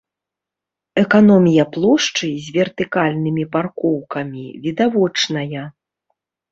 Эканомія плошчы з вертыкальнымі паркоўкамі відавочная.